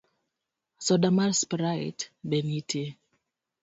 Soda mar sprite be nitie?